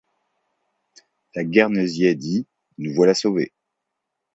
Le guernesiais dit: — Nous voilà sauvés.